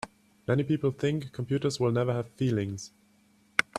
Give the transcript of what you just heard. Many people think computers will never have feelings.